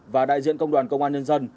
và đại diện công đoàn công an nhân dân